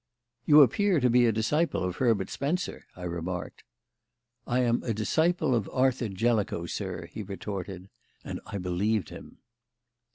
"You appear to be a disciple of Herbert Spencer," I remarked. "I am a disciple of Arthur Jellicoe, sir," he retorted. And I believed him.